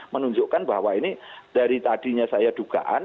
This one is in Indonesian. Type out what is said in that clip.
menunjukkan bahwa ini dari tadinya saya dugaan